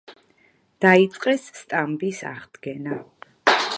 დაიწყეს სტამბის აღდგენა.